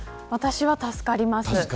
私は助かります。